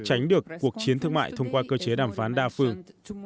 tránh được cuộc chiến thương mại thông qua cơ chế đàm phán đa phương